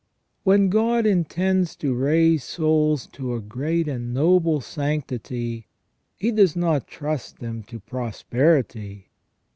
When God intends to raise souls to a great and noble sanctity. He does not trust them to prosperity.